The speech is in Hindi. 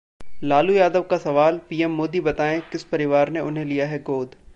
लालू यादव का सवाल- पीएम मोदी बताएं किस परिवार ने उन्हें लिया है गोद?